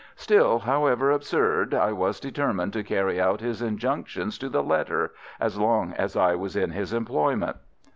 Still, however absurd, I was determined to carry out his injunctions to the letter as long as I was in his employment.